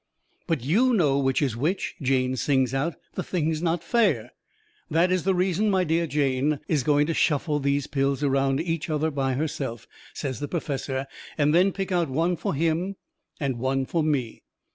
"But YOU know which is which," Jane sings out. "The thing's not fair!" "That is the reason my dear Jane is going to shuffle these pills around each other herself," says the perfessor, "and then pick out one for him and one for me.